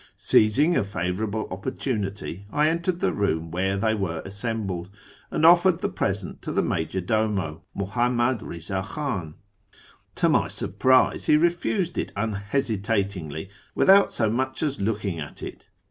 Seizing a favourable opportunity, I entered the room where they were assembled, and offered the l|| present to the major domo, Muhammad Eiza Khan. To my surprise, he refused it unhesitatingly, without so much as looking at it.